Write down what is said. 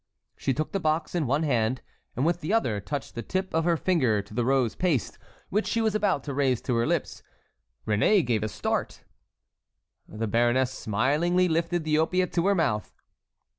She took the box in one hand, and with the other touched the tip of her finger to the rose paste, which she was about to raise to her lips. Réné gave a start. The baroness smilingly lifted the opiate to her mouth.